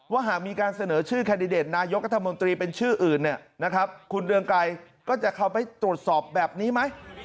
หากมีการเสนอชื่อแคนดิเดตนายกรัฐมนตรีเป็นชื่ออื่นคุณเรืองไกรก็จะเข้าไปตรวจสอบแบบนี้ไหม